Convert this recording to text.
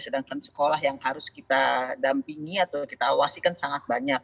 sedangkan sekolah yang harus kita dampingi atau kita awasi kan sangat banyak